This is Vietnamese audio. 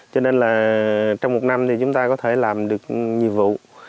cho nên là trong một năm thì chúng ta có thể làm được nhiệm vụ